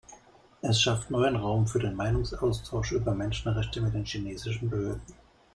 Es schafft neuen Raum für den Meinungsaustausch über Menschenrechte mit den chinesischen Behörden.